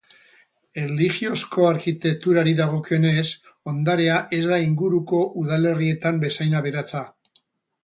Erlijiozko arkitekturari dagokionez, ondarea ez da inguruko udalerrietan bezain aberatsa.